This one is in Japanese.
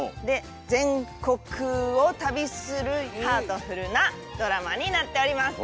全国を旅するハートフルなドラマになっております。